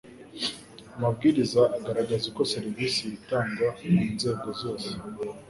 Amabwiriza agaragaza uko serivisi zitangwa mu nzego zose